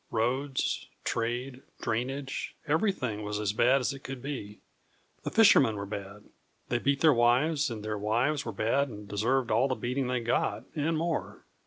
Roads, trade, drainage everything was as bad as it could be. The fishermen were bad, and beat their wives, and their wives were bad and deserved all the beating they got, and more.